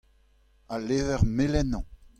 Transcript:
Al levr melenañ.